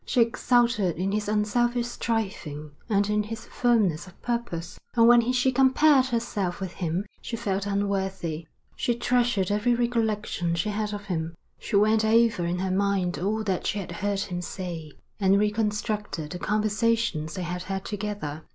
She exulted in his unselfish striving and in his firmness of purpose, and when she compared herself with him she felt unworthy. She treasured every recollection she had of him. She went over in her mind all that she had heard him say, and reconstructed the conversations they had had together.